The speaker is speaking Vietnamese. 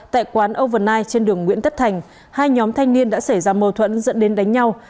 tại quán overnight trên đường nguyễn tất thành hai nhóm thanh niên đã xảy ra mâu thuẫn dẫn đến đánh nhau